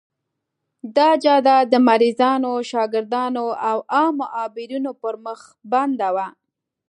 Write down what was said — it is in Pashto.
دا جاده د مریضانو، شاګردانو او عامو عابرینو پر مخ بنده وه.